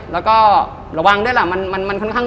แล้วก็ระวังด้วยล่ะมันค่อนข้าง